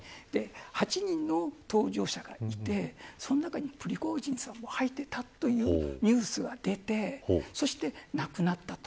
８人の搭乗者がいてその中にプリゴジンさんも入っていたというニュースが出てそして、亡くなったと。